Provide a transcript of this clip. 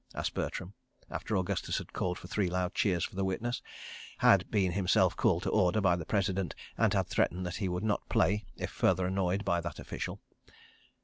asked Bertram, after Augustus had called for three loud cheers for the witness, had been himself called to order by the President, and had threatened that he would not play if further annoyed by that official.